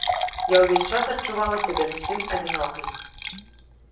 Я ўвесь час адчувала сябе зусім адзінокай.